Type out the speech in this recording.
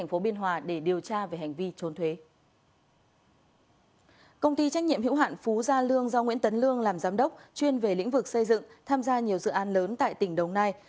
nguyễn tấn lương làm giám đốc chuyên về lĩnh vực xây dựng tham gia nhiều dự án lớn tại tỉnh đồng nai